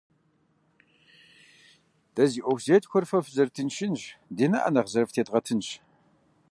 Дэ зи Ӏуэху зетхуэр фэ фызэрытыншынщ, ди нэӀэ нэхъ зэрыфтедгъэтынщ.